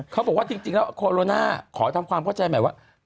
เขาบอกว่าจริงแล้วโคโรนาขอทำความเข้าใจใหม่ว่า